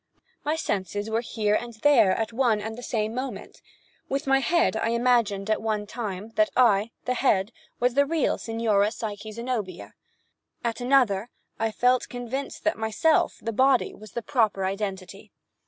My senses were here and there at one and the same moment. With my head I imagined, at one time, that I, the head, was the real Signora Psyche Zenobia—at another I felt convinced that myself, the body, was the proper identity.